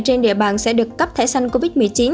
trên địa bàn sẽ được cấp thẻ xanh covid một mươi chín